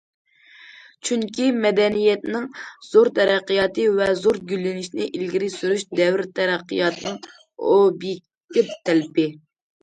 چۈنكى مەدەنىيەتنىڭ زور تەرەققىياتى ۋە زور گۈللىنىشىنى ئىلگىرى سۈرۈش دەۋر تەرەققىياتىنىڭ ئوبيېكتىپ تەلىپى.